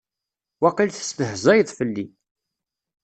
Waqil testehzayeḍ fell-i.